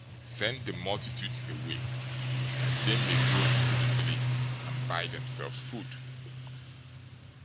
Send the multitudes away, that they may go into the villages, and buy themselves food."